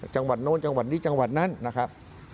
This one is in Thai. จังหวัดโน้นจังหวัดนี้จังหวัดนั้นนะครับ